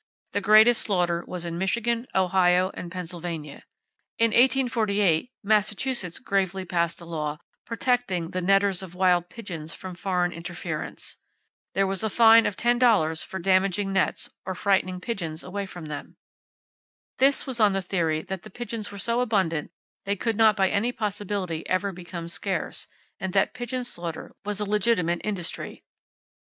The greatest slaughter was in Michigan, Ohio and Pennsylvania. In 1848 Massachusetts gravely passed a law protecting the netters of wild pigeons from foreign interference! There was a fine of $10 for damaging nets, or frightening pigeons away from them. This was on the theory that the pigeons were so abundant they could not by any possibility ever become scarce, and that pigeon slaughter was a legitimate industry.